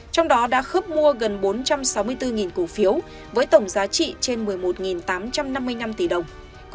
trong đó đã khớp mua gần bốn trăm sáu mươi bốn cổ phiếu với tổng giá trị trên một mươi một tám trăm năm mươi năm tỷ đồng